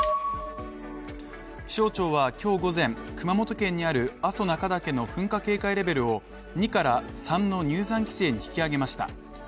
気象庁は今日午前、熊本県にある阿蘇中岳の噴火警戒レベルを２から、３の入山規制に引き上げました。